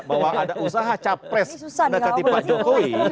bahwa ada usaha capres dekat di pak jokowi